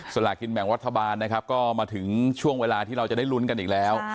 ลากินแบ่งรัฐบาลนะครับก็มาถึงช่วงเวลาที่เราจะได้ลุ้นกันอีกแล้ว